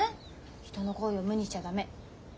人の厚意を無にしちゃ駄目。